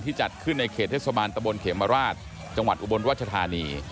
จัดขึ้นในเขตเทศบาลตะบนเขมราชจังหวัดอุบลรัชธานี